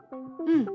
うん。